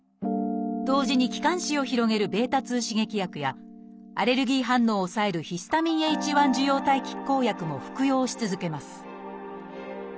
同時に気管支を広げるβ刺激薬やアレルギー反応を抑えるヒスタミンＨ受容体拮抗薬も服用し続けます